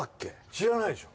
知らないでしょ？